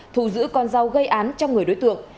thù giữ con dao gây án trong người đối tượng